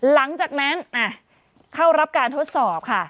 หลังจากนั้นเข้ารับการทดสอบค่ะ